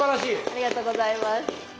ありがとうございます。